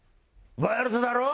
ワイルドだろぉ？